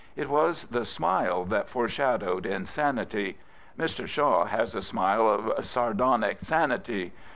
It was the smite 'that foreshadowed insanity. Mr. Shaw has a smile of sardonic sanity.